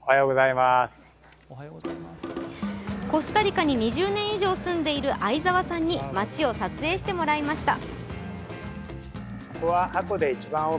コスタリカに２０年以上住んでいる相澤さんに町を撮影してもらいました。